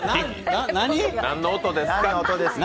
何の音ですか？